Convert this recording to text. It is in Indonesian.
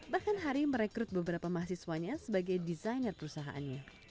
bahkan hari merekrut beberapa mahasiswanya sebagai desainer perusahaannya